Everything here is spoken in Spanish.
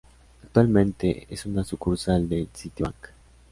Actualmente es una sucursal del Citibank.